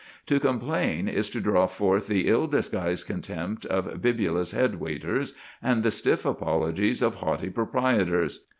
To complain is to draw forth the ill disguised contempt of bibulous head waiters and the stiff apologies of haughty proprietors.